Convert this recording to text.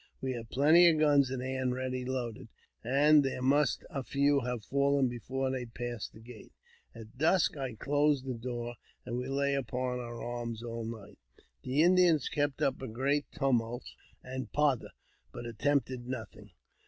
We had plenty of guns at hand ready loaded, and there must a few have fallen before they passed the gate. At dusk I closed the door, but we lay upon our arms all night. The Indians kept up a great tumult and pother, but attempted nothing.